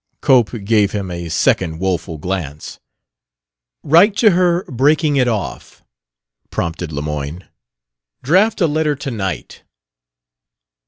Cope gave him a second woeful glance. "Write to her, breaking it off," prompted Lemoyne. "Draft a letter tonight."